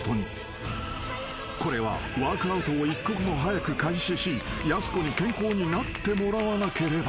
［これはワークアウトを一刻も早く開始しやす子に健康になってもらわなければ］